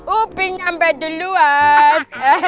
iping nyampe duluan